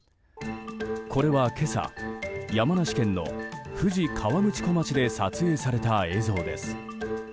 これは今朝山梨県の富士河口湖町で撮影された映像です。